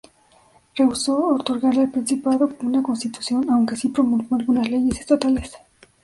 Rehusó otorgarle al principado una constitución, aunque sí promulgó algunas leyes estatales.